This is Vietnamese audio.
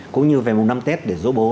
cũng như về mùng năm tết để dỗ bố